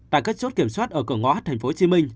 tại các chốt kiểm soát ở cửa ngõ tp hcm